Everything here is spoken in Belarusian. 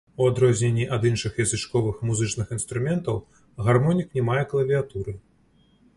У адрозненні ад іншых язычковых музычных інструментаў гармонік не мае клавіятуры.